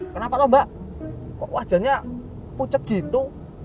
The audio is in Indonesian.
kenapa tuh mbak kok wajahnya pucet gitu